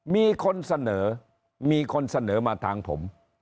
มีคนเสนอมีคนเสนอมาทางผม